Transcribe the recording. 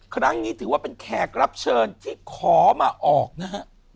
ครั้งนี้ถือว่าเป็นแขกรับเชิญที่ขอมาออกนะฮะ